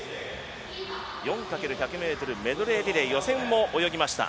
４×１００ｍメドレーリレー予選を泳ぎました。